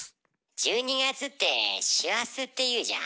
１２月って師走って言うじゃん？